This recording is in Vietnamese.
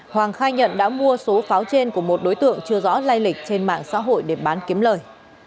hoàng khai nhận đã mua số pháo trên của một đối tượng chưa rõ lây lịch trên mạng xã hội để bán kiếm lời